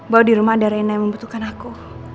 bahwa di rumah ada reyna yang membutuhkan aku